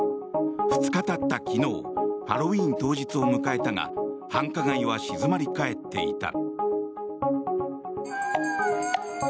２日たった昨日ハロウィーン当日を迎えたが繁華街は静まり返っていた。